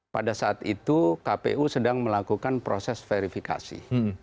pada saat itu kpu sedang melakukan proses verifikasi